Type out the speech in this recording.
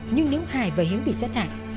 nhưng nếu hài và hiếu bị sát hại